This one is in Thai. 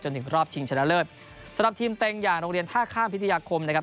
ถึงรอบชิงชนะเลิศสำหรับทีมเต็งอย่างโรงเรียนท่าข้ามพิทยาคมนะครับ